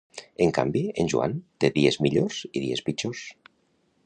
En canvi, en Joan té dies millors i dies pitjors